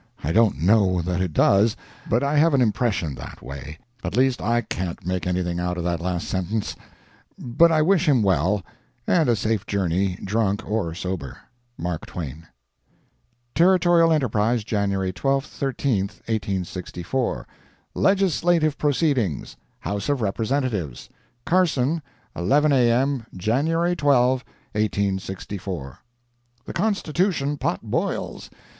I don't know that it does, but I have an impression that way. At least I can't make anything out of that last sentence. But I wish him well, and a safe journey, drunk or sober. MARK TWAIN Territorial Enterprise, January 12 13, 1864 LEGISLATIVE PROCEEDINGS HOUSE OF REPRESENTATIVES, CARSON, 11 A.M., January 12, 1864. The Constitution pot boils.